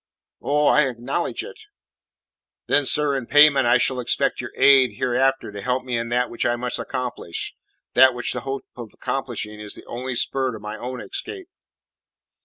"Oh, I acknowledge it!" "Then, sir, in payment I shall expect your aid hereafter to help me in that which I must accomplish, that which the hope of accomplishing is the only spur to my own escape."